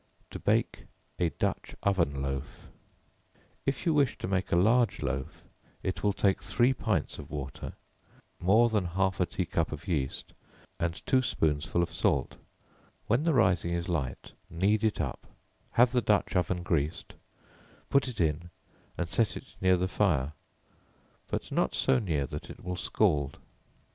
To Bake a Dutch oven Loaf. If you wish to make a large loaf, it will take three pints of water, more than half a tea cup of yeast, and two spoonsful of salt; when the rising is light, knead it up, have the dutch oven greased; put it in, and set it near the fire, but not so near that it will scald.